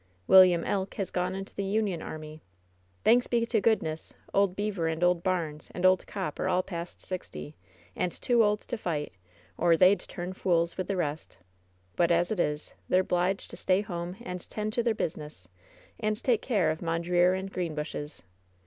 "William Elk has gone into the Union Army. "Thanks be to goodness, Old Beever and Old Barnes and Old Copp are all past sixty, and too old to fight, or they'd turn fools with the rest; but, as it is, they're 'bliged to stay home and 'tend to their business, and take care of Mondreer and Greenbushes.